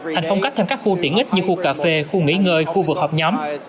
thành phong cách thêm các khu tiện ích như khu cà phê khu nghỉ ngơi khu vực họp nhóm